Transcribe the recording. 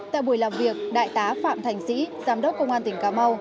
tại buổi làm việc đại tá phạm thành sĩ giám đốc công an tỉnh cà mau